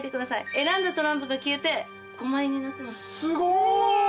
選んだトランプが消えて５枚になってます。